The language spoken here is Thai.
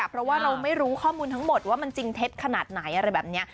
เพราะว่าเราไม่รู้ข้อมูลทั้งหมดว่ามันจริงเท็จขนาดไหนอะไรแบบนี้